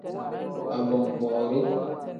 Abonboori.